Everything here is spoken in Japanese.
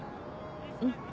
うん。